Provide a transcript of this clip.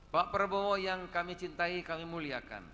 pak prabowo yang kami cintai kami muliakan